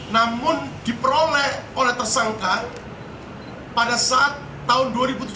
namun diperoleh oleh tersangka pada saat tahun dua ribu tujuh belas